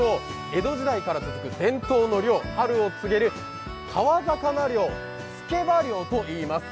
江戸時代から続く伝統の漁、春を告げる川魚漁つけば漁といいます。